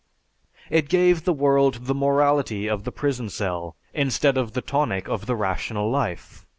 It gave the world the morality of the prison cell, instead of the tonic of the rational life.